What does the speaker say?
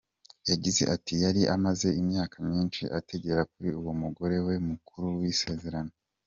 Yagize ati “Yari amaze imyaka myinshi atagera kuri uwo mugore we mukuru w’isezerano.